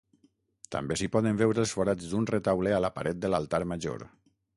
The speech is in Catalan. També s'hi poden veure els forats d'un retaule a la paret de l'altar major.